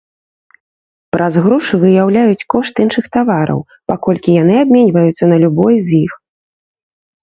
Праз грошы выяўляюць кошт іншых тавараў, паколькі яны абменьваюцца на любой з іх.